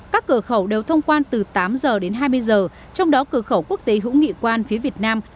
các cửa khẩu đều thông quan từ tám giờ đến hai mươi giờ trong đó cửa khẩu quốc tế hữu nghị quan phía việt nam